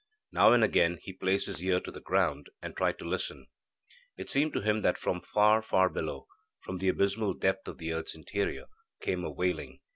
Now and again he placed his ear to the ground, and tried to listen. It seemed to him that from far far below from the abysmal depth of the earth's interior came a wailing.